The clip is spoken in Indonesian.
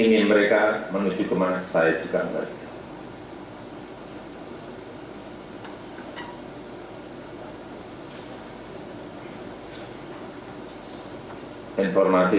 ingin mereka menuju kemana saya juga mengerti